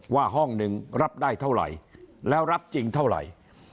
ว่าห้องหนึ่งรับได้เท่าไหร่แล้วรับจริงเท่าไหร่